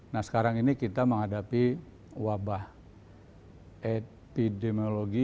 nah sekarang ini kita menghadapi wabah epidemiologi